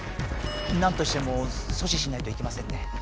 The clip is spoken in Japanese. なんとしてもそ止しないといけませんね。